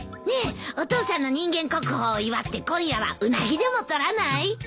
ねえお父さんの人間国宝を祝って今夜はうなぎでもとらない？